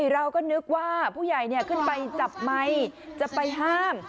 เราก็นึกว่าผู้ใหญ่ขึ้นไปจับไมค์จะไปห้าม